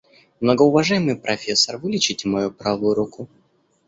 Многоуважаемый профессор, вылечите мою правую руку.